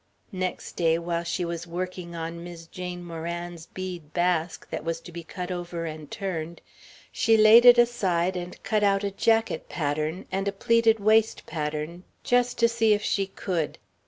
Next day, while she was working on Mis' Jane Moran's bead basque that was to be cut over and turned, she laid it aside and cut out a jacket pattern, and a plaited waist pattern just to see if she could.